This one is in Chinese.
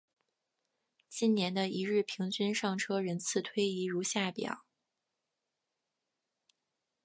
近年的一日平均上车人次推移如下表。